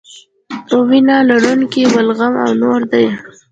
وینه لرونکي بلغم او نور دي.